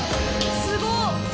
すごっ！